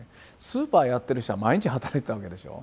スーパーやってる人は毎日働いてたわけでしょ。